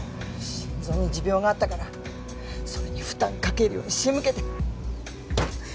心臓に持病があったからそれに負担かけるように仕向けて。